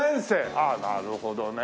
ああなるほどね。